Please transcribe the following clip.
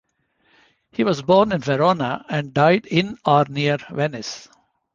He was born in Verona and died in or near Venice.